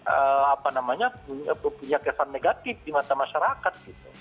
apa namanya punya kesan negatif di mata masyarakat